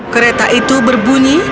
kereta itu berbunyi